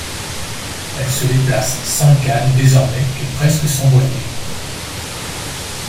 Elle se déplace sans canne, désormais, et presque sans boiter.